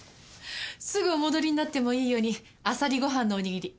すぐお戻りになってもいいようにあさりご飯のおにぎり作っておきました。